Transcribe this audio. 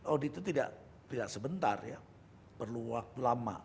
audit itu tidak sebentar ya perlu waktu lama